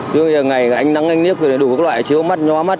chứ ngày anh nắng anh nước thì đủ các loại chiếu mắt nhóa mắt